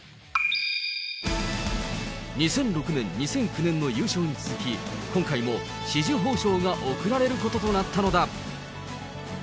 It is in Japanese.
２００６年、２００９年の優勝に続き、今回も紫綬褒章が贈られることとなったのだ。